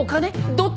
どっち！？